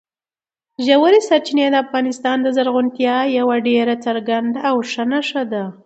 ژورې سرچینې د افغانستان د زرغونتیا یوه ډېره څرګنده او ښه نښه ده.